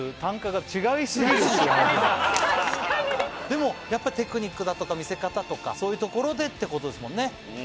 でもやっぱテクニックだとか見せ方とかそういうところでってことですもんね。